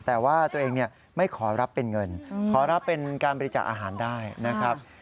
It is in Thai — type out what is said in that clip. แต่ว่าตัวเองไม่ขอรับเป็นเงินขอรับเป็นการบริจาคอาหารได้นะครับ